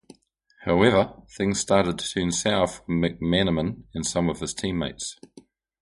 However, things started to turn sour for McManaman and some of his teammates.